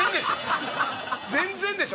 全然でしょ！